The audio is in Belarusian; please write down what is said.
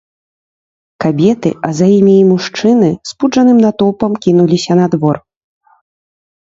Кабеты, а за імі і мужчыны спуджаным натоўпам кінуліся на двор.